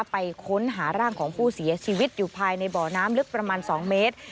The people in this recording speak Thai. ไปค้นหาร่างของผู้เสียชีวิตอยู่ภายในบ่อน้ำลึกประมาณ๒เมตร